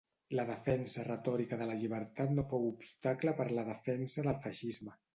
La defensa retòrica de la llibertat no fou obstacle per la defensa del feixisme.